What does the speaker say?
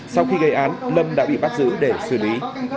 sau khi gây án lâm đã bị bắt giữ để xử lý